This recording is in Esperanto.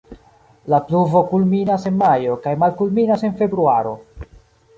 La pluvo kulminas en majo kaj malkulminas en februaro.